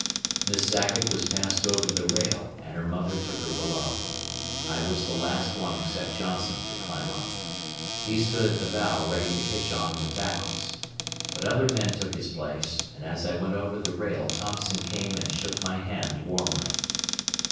Miss Sackett was passed over the rail, and her mother took her below. I was the last one except Johnson to climb up. He stood at the bow ready to hitch on the tackles. But other men took his place, and as I went over the rail Thompson came and shook my hand warmly.